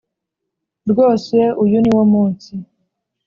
Rwose uyu ni wo munsi